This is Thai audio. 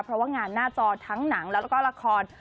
เพราะว่างานหน้าจอทั้งหนังแล้วก็ละคร